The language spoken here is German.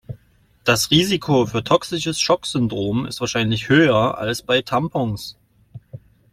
Das Risiko für toxisches Schocksyndrom ist wahrscheinlich höher als bei Tampons.